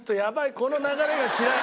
この流れが嫌い！